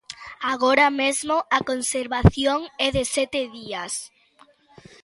Agora mesmo a conservación é de sete días.